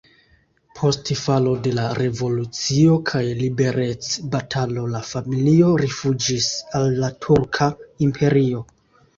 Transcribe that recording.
Post falo de la revolucio kaj liberecbatalo la familio rifuĝis al la Turka Imperio.